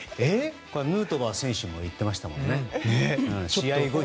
これはヌートバー選手も言ってましたもんね。